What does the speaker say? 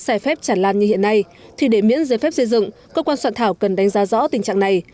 sai phép chẳng lan như hiện nay thì để miễn giấy phép xây dựng cơ quan soạn thảo cần đánh giá rõ tình trạng này